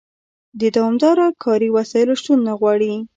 د دوامداره کاري وسایلو شتون نه غواړي.